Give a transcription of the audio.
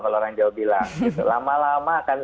kalau orang jawa bilang gitu lama lama akan